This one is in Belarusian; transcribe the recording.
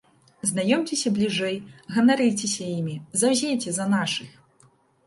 Знаёмцеся бліжэй, ганарыцеся імі, заўзейце за нашых!